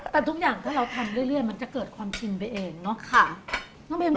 แต่ทุกอย่างถ้าเราทำเรื่อยมันจะเกิดความชินไปเองเนาะ